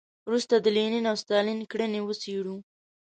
وروسته د لینین او ستالین کړنې وڅېړو.